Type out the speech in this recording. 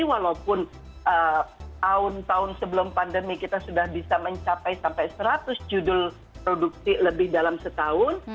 walaupun tahun tahun sebelum pandemi kita sudah bisa mencapai sampai seratus judul produksi lebih dalam setahun